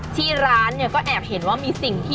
ที่ร้านก็แอบเห็นว่ามีสิ่ง